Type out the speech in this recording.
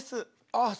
ああ